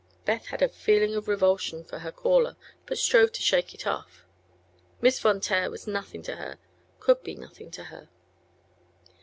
Beth had a feeling of repulsion for her caller, but strove to shake it off. Miss Von Taer was nothing to her; could be nothing to her.